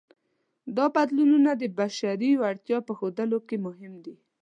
دا بدلونونه د بشري وړتیا په ښودلو کې مهم دي.